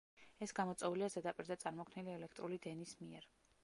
ეს გამოწვეულია ზედაპირზე წარმოქნილი ელექტრული დენის მიერ.